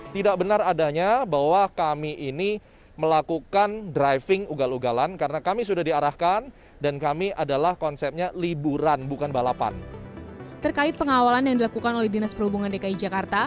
terkait pengawalan yang dilakukan oleh dinas perhubungan dki jakarta